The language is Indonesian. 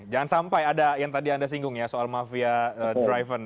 jangan sampai ada yang tadi anda singgung ya soal mafia driver